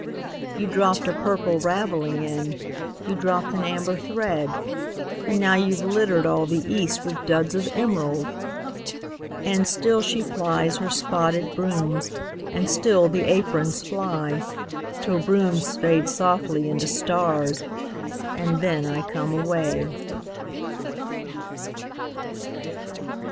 You dropped a purple ravelling in, You dropped an amber thread; And now you 've littered all the East With duds of emerald! And still she plies her spotted brooms, And still the aprons fly, Till brooms fade softly into stars And then I come away.